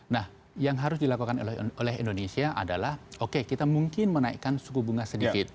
nah yang harus dilakukan oleh indonesia adalah oke kita mungkin menaikkan suku bunga sedikit